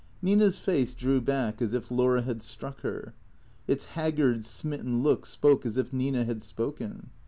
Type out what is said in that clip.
Nina's face drew back as if Laura had struck her. Its hag gard, smitten look spoke as if Nina had spoken.